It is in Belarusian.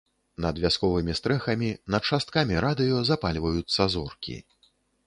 Над вясковымі стрэхамі, над шасткамі радыё запальваюцца зоркі.